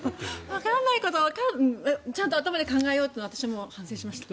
わからないことはちゃんと頭で考えようと私も反省しました。